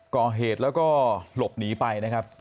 ก่อเหตุแล้วก็หลบหนีไปนะครับ